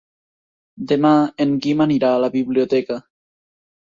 Demà en Guim anirà a la biblioteca.